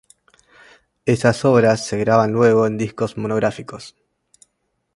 Esas obras se graban luego en discos monográficos.